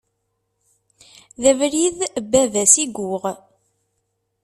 D abrid n baba-s i yuɣ.